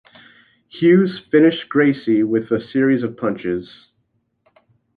Hughes finished Gracie with a series of punches.